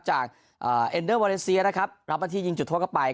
จากเอ็นเดอร์มาเลเซียนะครับรับหน้าที่ยิงจุดโทษเข้าไป